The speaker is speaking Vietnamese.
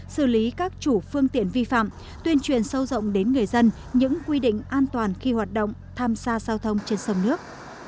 xử lý các chủ phương tiện vi phạm tuyên truyền sâu rộng đến người dân những quy định an toàn khi hoạt động tham gia giao thông trên sông nước